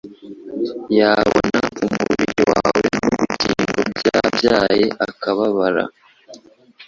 Yabona Umubiri wawe nubugingo byabyaye akababara